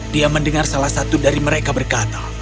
dia mendengar salah satu dari mereka berkata